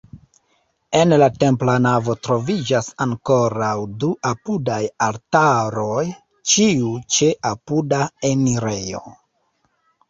En la templa navo troviĝas ankoraŭ du apudaj altaroj, ĉiu ĉe apuda enirejo.